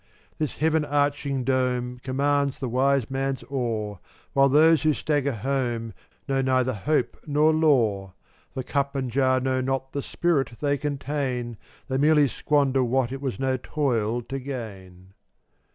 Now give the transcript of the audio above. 438 This heaven arching dome Commands the wise man's awe, While those who stagger home Know neither hope nor law. The cup and jar know not The spirit they contain; They merely squander what It was no toil to gain.